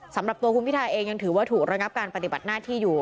สำหรับตัวคุณพิทาเองยังถือว่าถูกระงับการปฏิบัติหน้าที่อยู่